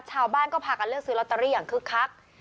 ชาวบ้านก็พากันเลือกซื้อลอตเตอรี่อย่างคึกคัก